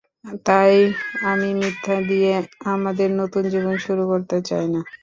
তাই আমি মিথ্যা দিয়ে, আমাদের নতুন জীবন শুরু করতে চাই না।